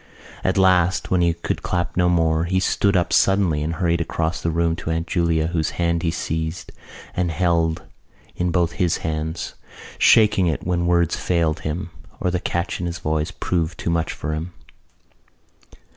At last, when he could clap no more, he stood up suddenly and hurried across the room to Aunt Julia whose hand he seized and held in both his hands, shaking it when words failed him or the catch in his voice proved too much for him.